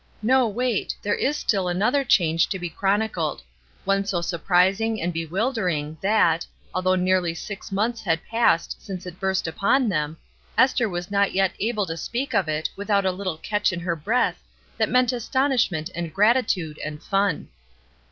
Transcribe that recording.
No, wait, there is still another change to be chronicled: one so surprising and bewildering that, although nearly six months had passed since it burst upon them, Esther was not yet able to speak of it without a Uttle catch in her breath that meant astonishment and gratitude and fun.